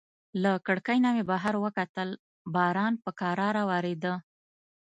له کړکۍ نه مې بهر وکتل، باران په کراره وریده.